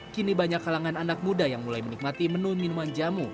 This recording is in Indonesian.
kini banyak kalangan anak muda yang mulai menikmati menu minuman jamu